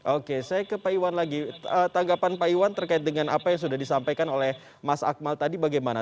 oke saya ke pak iwan lagi tanggapan pak iwan terkait dengan apa yang sudah disampaikan oleh mas akmal tadi bagaimana